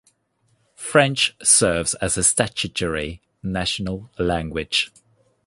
French serves as a statutory national language.